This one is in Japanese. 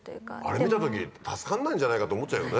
あれ見た時助かんないんじゃないかって思っちゃうよね。